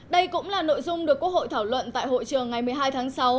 đây cũng là nội dung được quốc hội thảo luận tại hội trường ngày một mươi hai tháng sáu